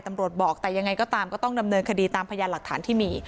บอกแต่ยังไงก็ตามก็ต้องดำเนินคดีตามพยานหลักฐานที่มี